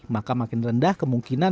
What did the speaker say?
maka makin rendah kemungkinan